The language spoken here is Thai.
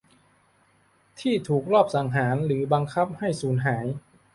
ที่ถูกลอบสังหารหรือถูกบังคับให้สูญหาย